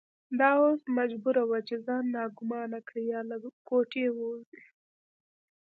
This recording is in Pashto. دا اوس مجبوره وه چې ځان ناګومانه کړي یا له کوټې ووځي.